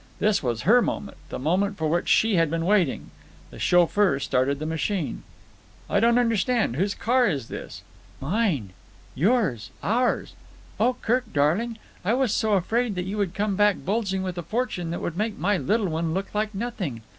This was her moment, the moment for which she had been waiting. The chauffeur started the machine. "I don't understand. Whose car is this?" "Mine. Yours. Ours. Oh, Kirk, darling, I was so afraid that you would come back bulging with a fortune that would make my little one look like nothing.